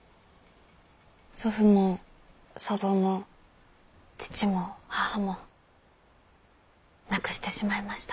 祖父も祖母も父も母も亡くしてしまいました。